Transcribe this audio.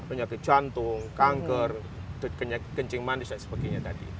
penyakit jantung kanker kencing manis dan sebagainya tadi